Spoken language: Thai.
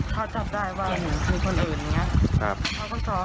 พอจับได้ว่ามีคนอื่นนะ